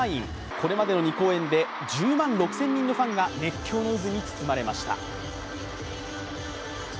これまでの２公演で１０万６０００人のファンが熱狂の渦に包まれました。